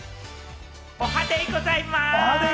おはデイございます！